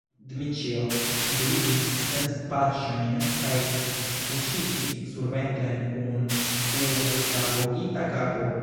Dmiĉjo deiris cent paŝojn kaj kuŝiĝis surventren kun kubutapogita kapo.